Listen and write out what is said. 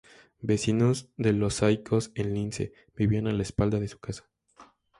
Vecinos de Los Saicos en Lince, vivían a la espalda de su casa.